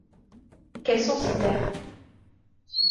Quelles sont ces terres ?